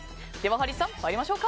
ハリーさん、参りましょうか。